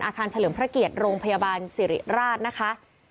เฉลิมพระเกียรติโรงพยาบาลสิริราชนะคะ